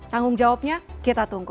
tanggung jawabnya kita tunggu